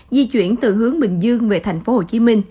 di chuyển từ hướng bình dương về tp hcm